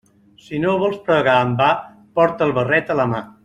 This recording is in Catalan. Si no vols pregar en va, porta el barret a la mà.